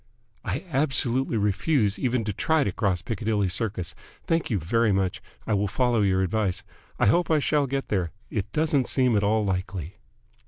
"I absolutely refuse even to try to cross Piccadilly Circus. Thank you very much. I will follow your advice. I hope I shall get there. It doesn't seem at all likely."